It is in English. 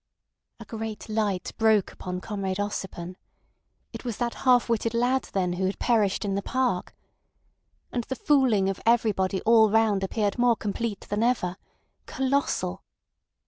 A great light broke upon Comrade Ossipon. It was that half witted lad then who had perished in the park. And the fooling of everybody all round appeared more complete than ever—colossal.